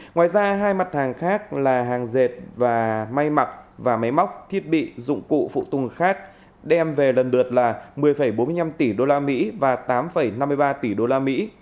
ngoài ra hai mặt hàng khác là hàng dệt và máy mặc và máy móc thiết bị dụng cụ phụ tung khác đem về lần lượt là một mươi bốn mươi năm tỷ usd và tám năm mươi ba tỷ usd